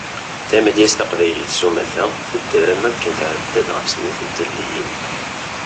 Tamedyazt taqbaylit sumata tedder am waken tɛedda-d ɣef snat n taliyin.